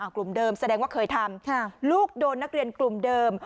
กลุ่มเดิมแสดงว่าเคยทำลูกโดนนักเรียนกลุ่มเดิม